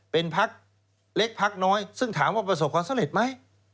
เป็นพักเล็กพักน้อยซึ่งถามว่าประสบความสำเร็จไหม